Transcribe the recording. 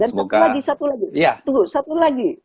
dan satu lagi satu lagi